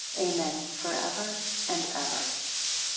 Amen for ever and ever.